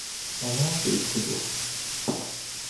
Alaafee chibi o.